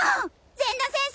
善田先生